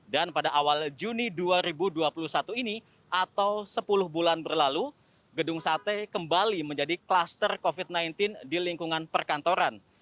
dan pada awal juni dua ribu dua puluh satu ini atau sepuluh bulan berlalu gedung sate kembali menjadi kluster covid sembilan belas di lingkungan perkantoran